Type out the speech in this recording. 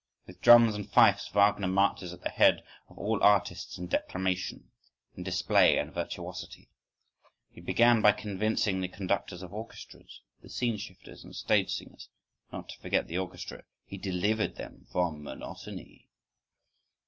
With drums and fifes, Wagner marches at the head of all artists in declamation, in display and virtuosity. He began by convincing the conductors of orchestras, the scene shifters and stage singers, not to forget the orchestra:—he "delivered" them from monotony.